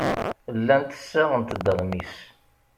Llant ssaɣent-d aɣmis.